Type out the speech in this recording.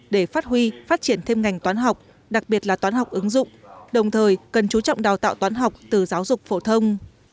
để phát huy phát triển thêm ngành toán học đặc biệt là toán học ứng dụng đồng thời cần chú trọng đào tạo toán học từ giáo dục phổ thông